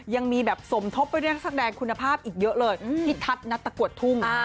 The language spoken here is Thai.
ยังมีแบบสมทบไปด้วยนักแสดงคุณภาพอีกเยอะเลยพี่ทัศน์นัตตะกวดทุ่ง